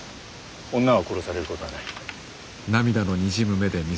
女は殺されることはない。